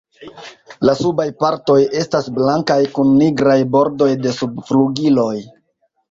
La subaj partoj estas blankaj, kun nigraj bordoj de subflugiloj.